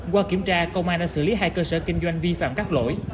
qua kiểm tra công an đã xử lý hai cơ sở kinh doanh vi phạm các lỗi